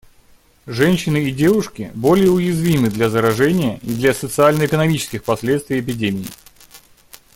Женщины и девушки более уязвимы для заражения и для социально-экономических последствий эпидемии.